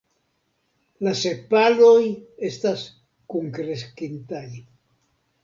La sepaloj estas kunkreskintaj.